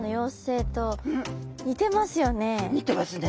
似てますね。